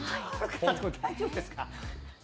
大丈夫ですか？